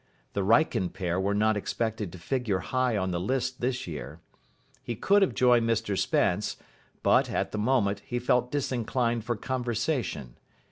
The Wrykyn pair were not expected to figure high on the list this year. He could have joined Mr Spence, but, at the moment, he felt disinclined for conversation.